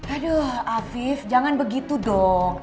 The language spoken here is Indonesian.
aduh afif jangan begitu dong